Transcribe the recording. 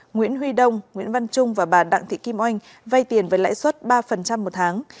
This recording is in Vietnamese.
nguyễn huy đông nguyễn văn trung và bà đặng thị kim oanh vay tiền với lãi suất ba một tháng